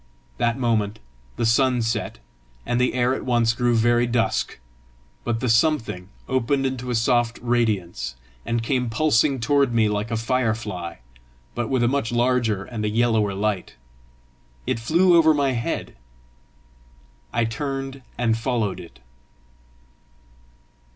That moment the sun set, and the air at once grew very dusk, but the something opened into a soft radiance, and came pulsing toward me like a fire fly, but with a much larger and a yellower light. It flew over my head. I turned and followed it.